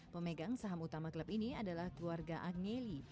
pemegang saham utama klub ini adalah keluarga agneli